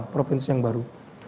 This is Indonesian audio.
provinsi yang baru